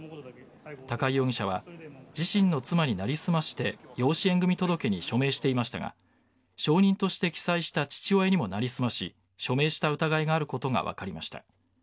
高井容疑者は自身の妻に成り済まして養子縁組届に署名していましたが証人として記載した父親にも成り済まし署名した疑いがあることが分かりました。